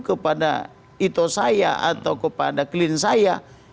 kepada ito saya atau kepada klien saya